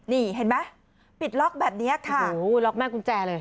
นี่เห็นไหมปิดล็อกแบบนี้ค่ะโอ้โหล็อกแม่กุญแจเลย